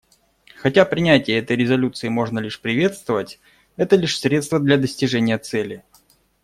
Хотя принятие этой резолюции можно лишь приветствовать, это лишь средство для достижения цели.